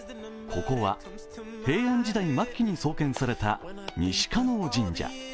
ここは平安時代末期に創建された西叶神社。